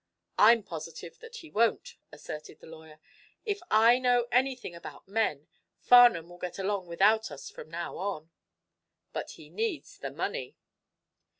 "I'm positive that he won't," asserted the lawyer. "If I know anything about men Farnum will get along without us from now on." "But he needs the money."